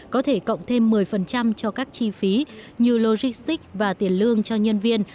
có thể cộng thêm một mươi cho các chi phí như logistics và tiền lương cho nhân viên